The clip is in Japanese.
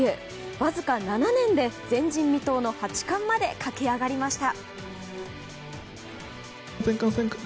わずか７年で前人未到の八冠まで駆け上がりました。